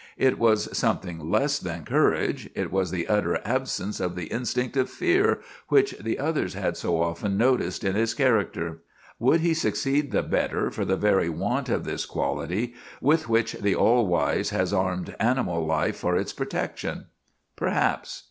It was something less than courage it was the utter absence of the instinct of fear which the others had so often noticed in his character. Would he succeed the better for the very want of this quality with which the All wise has armed animal life for its protection? Perhaps.